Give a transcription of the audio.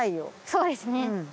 そうですね。